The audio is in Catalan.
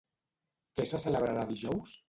Què se celebrarà dijous?